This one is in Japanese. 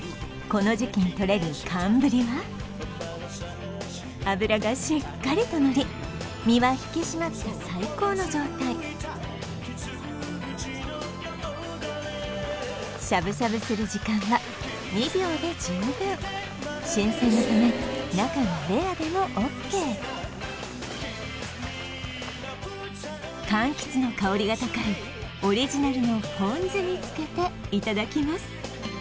この時期にとれる寒ぶりは脂がしっかりとのり身は引き締まった最高の状態しゃぶしゃぶする時間は２秒で十分新鮮なため中がレアでもＯＫかんきつの香りが高いオリジナルのポン酢につけていただきます